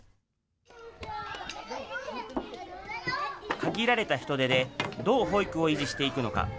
限られた人手で、どう保育を維持していくのか。